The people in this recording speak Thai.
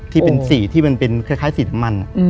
ที่เป็นสีที่มันเป็นคล้ายสีน้ำมัน